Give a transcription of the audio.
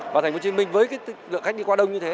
và thành phố hồ chí minh với lượng khách đi qua đông như thế